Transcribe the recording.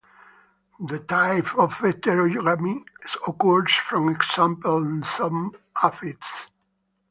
This type of heterogamy occurs for example in some aphids.